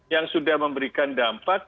yang sudah memberikan dampak